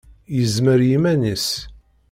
Yezmer i yiman-nnes.